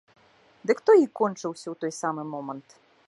Дык той і кончыўся ў той самы момант.